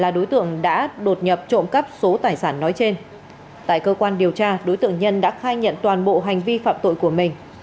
đột nhập trộm cắp số tài sản nói trên tại cơ quan điều tra đối tượng nhân đã khai nhận toàn bộ hành vi phạm tội của mình